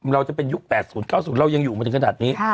เราจะเป็นยุค๘๐๙๐เรายังอยู่มาถึงขนาดนี้